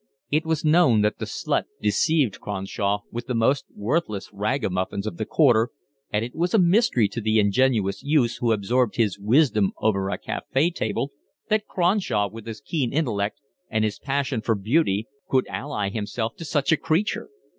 It was known that the slut deceived Cronshaw with the most worthless ragamuffins of the Quarter, and it was a mystery to the ingenuous youths who absorbed his wisdom over a cafe table that Cronshaw with his keen intellect and his passion for beauty could ally himself to such a creature.